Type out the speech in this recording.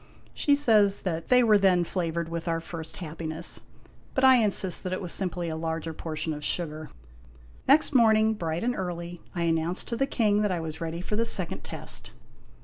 She says that they were then flavored with our first happiness ; but I insist that it was simply a larger portion of sugar. Next morning, bright and early, I announced to the King that I was ready for the second test.